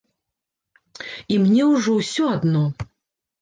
І мне ўжо ўсё адно.